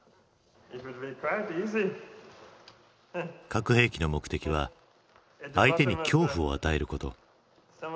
核兵器の目的は相手に「恐怖」を与えること。